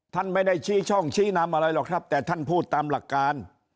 ท่านไม่ได้ชี้ช่องชี้นำอะไรหรอกครับแต่ท่านพูดตามหลักการ